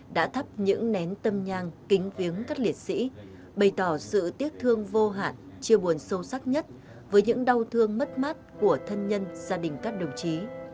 đã thắp những nén tâm nhang kính viếng các liệt sĩ bày tỏ sự tiếc thương vô hạn chia buồn sâu sắc nhất với những đau thương mất mát của thân nhân gia đình các đồng chí